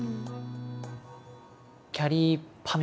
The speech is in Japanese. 「きゃりーぱみ